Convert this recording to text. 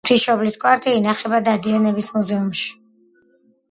ღმრთისმშობლის კვართი ინახება დადიანების მუზეუმში.